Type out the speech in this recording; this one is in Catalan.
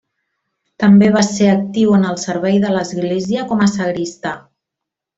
També va ser actiu en el servei de l'església com a sagristà.